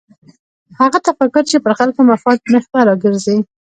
هغه تفکر چې پر خلکو مفاد محور راګرځي.